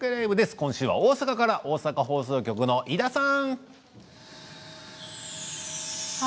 今週は大阪放送局の井田さん。